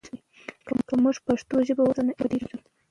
که موږ د پښتو ژبه وساتو، نو علم به ډیر وي.